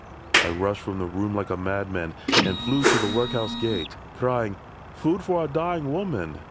" I rushed from the room like a madman. And flew to the workhouse gate, Crying, * Food for a dying woman